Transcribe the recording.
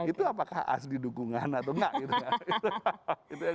itu apakah asli dukungan atau enggak